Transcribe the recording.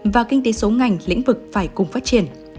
và kinh tế số ngành lĩnh vực phải cùng phát triển